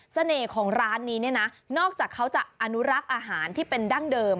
ของร้านนี้เนี่ยนะนอกจากเขาจะอนุรักษ์อาหารที่เป็นดั้งเดิม